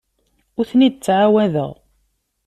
Ur ten-id-ttɛawadeɣ.